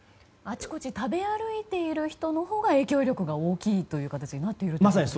あちこち食べ歩いている人のほうが影響力が大きい形になっているんですね。